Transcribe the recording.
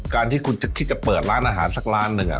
การที่คุณจะคิดจะเปิดร้านอาหารสักร้านหนึ่ง